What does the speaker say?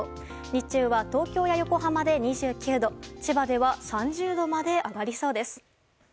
日中は東京や横浜で２９度千葉では３０度まで上がりそうです。